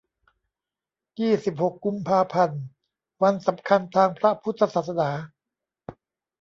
ยี่สิบหก กุมภาพันธ์ วันสำคัญทางพระพุทธศาสนา